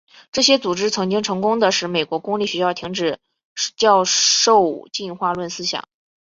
这些组织曾经成功地使美国公立学校停止教授进化论思想。